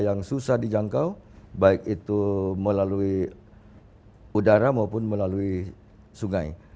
yang susah dijangkau baik itu melalui udara maupun melalui sungai